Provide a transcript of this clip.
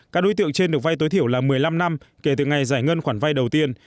các đối tượng trên được vai tối thiểu là một mươi năm năm kể từ ngày giải ngân khoản vay đầu tiên